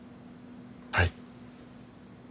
はい。